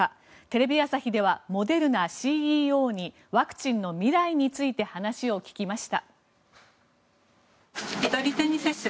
テレビ朝日ではモデルナＣＥＯにワクチンの未来について話を聞きました。